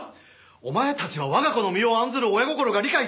お前たちは我が子の身を案ずる親心が理解出来ないのか？